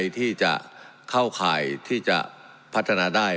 ที่จะเข้าข่ายที่จะพัฒนาได้